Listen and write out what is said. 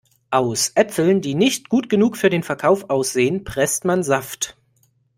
Aus Äpfeln, die nicht gut genug für den Verkauf aussehen, presst man Saft.